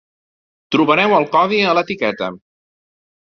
Trobareu el codi a l'etiqueta.